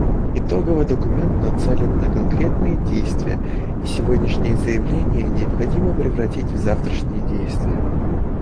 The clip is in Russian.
Итоговый документ нацелен на конкретные действия, и сегодняшние заявления необходимо превратить в завтрашние действия.